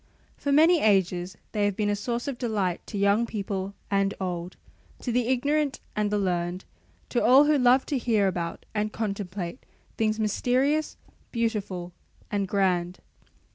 For many ages they have been a source of delight to young people and old, to the ignorant and the learned, to all who love to hear about and contemplate things mysterious, beautiful, and grand.